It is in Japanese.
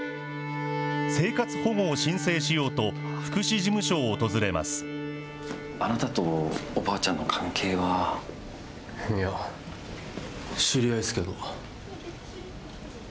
生活保護を申請しようと、福祉事あなたとおばあちゃんの関係いや、知り合いっすけど。